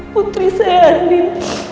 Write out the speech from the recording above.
putri saya armin